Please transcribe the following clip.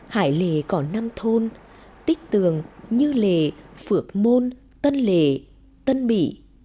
hải lề có năm thôn tích tường như lề phước môn tân lề tân bỉ